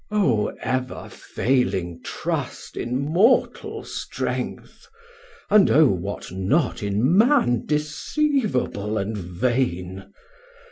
O ever failing trust In mortal strength! and oh what not in man Deceivable and vain!